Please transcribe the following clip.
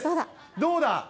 どうだ？